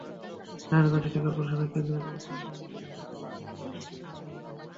Narayanganj city করপোরেশনের কেন্দ্রীয় কবরস্থান জামে মসজিদ মুসল্লিদের জন্য খুলে দেওয়া হয়েছে।